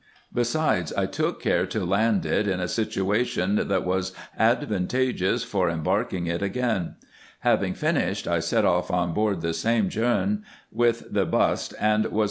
Besides, I took care to land it in a situation, that was advantageous for embarking it again. Having finished, I set off on board the same djerm, with the bust, and was IN EGYPT, NUBIA, &c.